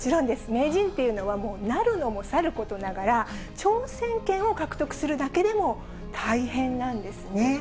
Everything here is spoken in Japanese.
名人っていうのは、なるのもさることながら、挑戦権を獲得するだけでも大変なんですね。